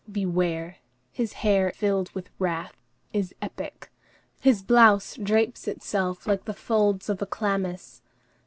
Beware! his hair filled with wrath, is epic; his blouse drapes itself like the folds of a chlamys.